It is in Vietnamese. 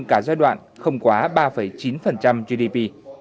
cả giai đoạn không quá ba chín gdp